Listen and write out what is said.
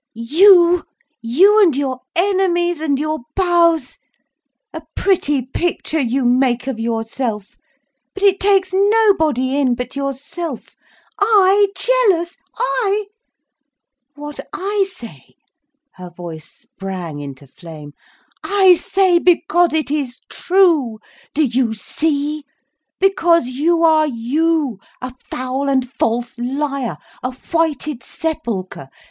"You! You and your enemies and your bows! A pretty picture you make of yourself. But it takes nobody in but yourself. I jealous! I! What I say," her voice sprang into flame, "I say because it is true, do you see, because you are you, a foul and false liar, a whited sepulchre.